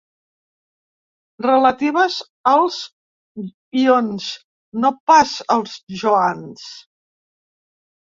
Relatives als ions, no pas als Joans.